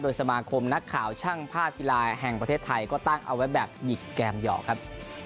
สมาคมนักข่าวช่างภาพกีฬาแห่งประเทศไทยก็ตั้งเอาไว้แบบหยิกแกมหยอกครับ